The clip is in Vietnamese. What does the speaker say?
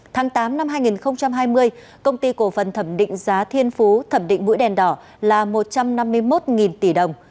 tháng tám năm hai nghìn hai mươi công ty cổ phần thẩm định giá thiên phú thẩm định mũi đèn đỏ là một trăm năm mươi một tỷ đồng